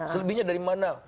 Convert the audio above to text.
selebihnya dari mana